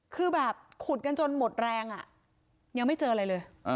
คือแบบขุดกันจนหมดแรงยังไม่เจออะไรเลย